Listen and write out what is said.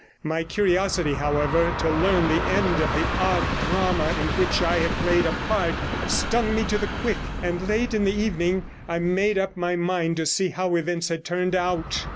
My curiosity, however, to learn the end of the odd drama in which I had played a part stung me to the quick, and late in the evening I made up my mind to see how events had turned out.